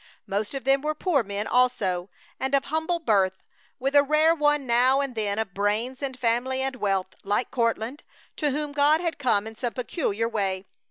Most of them were poor men also, and of humble birth, with a rare one now and then of brains and family and wealth, like Courtland, to whom God had come in some peculiar way.